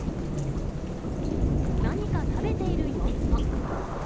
何か食べている様子も。